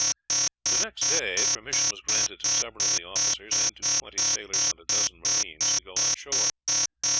The next day permission was granted to several of the officers and to twenty sailors and a dozen marines to go on shore.